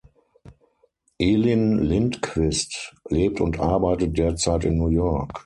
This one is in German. Elin Lindqvist lebt und arbeitet derzeit in New York.